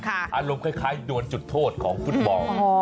อารมณ์คล้ายโดนจุดโทษของฟุตบอล